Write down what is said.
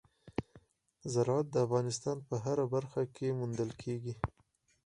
زراعت د افغانستان په هره برخه کې موندل کېږي.